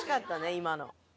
今の。